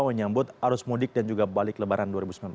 menyambut arus mudik dan juga balik lebaran dua ribu sembilan belas